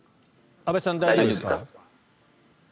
安部さん、大丈夫ですか？